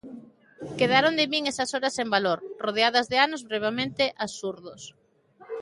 Quedaron de min esas horas sen valor, rodeadas de anos brevemente absurdos.